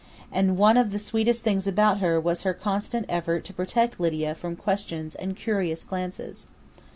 and one of the sweetest things about her was her constant effort to protect Lydia from questions and curious glances.